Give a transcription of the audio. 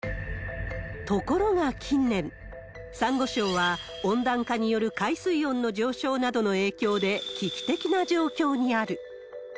ところが近年、サンゴ礁は温暖化による海水温の上昇などの影響で、危機的な状況にある。